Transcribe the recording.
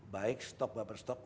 baik stok berapa stok